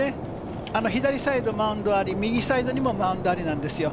左サイドマウンドあり、右サイドにもマウンドありなんですよ。